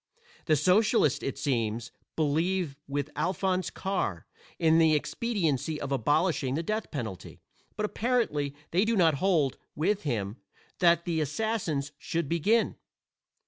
The socialists, it seems, believe with Alphonse Karr, in the expediency of abolishing the death penalty; but apparently they do not hold, with him, that the assassins should begin.